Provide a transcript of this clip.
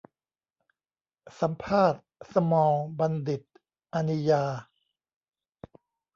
สัมภาษณ์ 'สมอลล์ บัณฑิต อานียา'